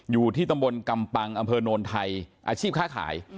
อยู่ที่ตำบลกำปังอำเภอโนนไทยอาชีพค้าขาย